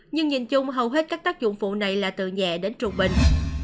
nhưng nhìn chung hầu hết các tác dụng phụ này là từ nhẹ đến trung bình